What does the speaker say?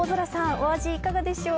お味いいかがでしょう。